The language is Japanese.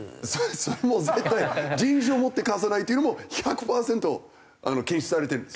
それもう絶対人種をもって貸さないというのも１００パーセント禁止されているんですよ。